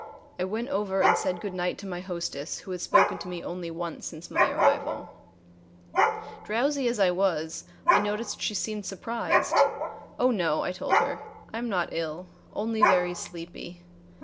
I went over and said good night to my hostess who had spoken to me only once since my arrival. Drowsy as I was, I noticed she seemed surprised. "Oh, no," I told her; "I am not ill, only very sleepy."